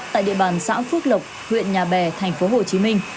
tại địa bàn xã phước lộc huyện nhà bè tp hcm